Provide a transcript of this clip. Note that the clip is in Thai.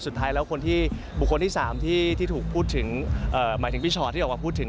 สุดท้ายแล้วคนที่บุคคลที่๓ที่ถูกพูดถึงหมายถึงพี่ชอตที่ออกมาพูดถึง